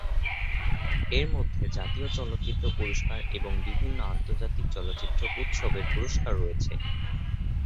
এর মধ্যে জাতীয় চলচ্চিত্র পুরস্কার এবং বিভিন্ন আন্তর্জাতিক চলচ্চিত্র উৎসবের পুরস্কার রয়েছে।